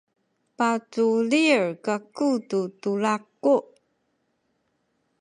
paculil kaku tu tulaku.